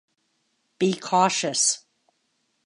Be cautious.